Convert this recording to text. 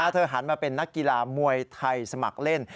หันมาเป็นนักกีฬามวยไทยสมัครเล่น